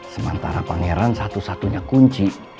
sementara pangeran satu satunya kunci